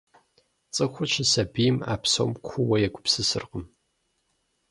Цӏыхур щысабийм а псом куууэ егупсысыркъым.